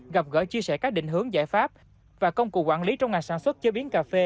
gặp gỡ chia sẻ các định hướng giải pháp và công cụ quản lý trong ngành sản xuất chế biến cà phê